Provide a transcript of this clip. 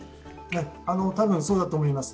たぶんそうだと思います。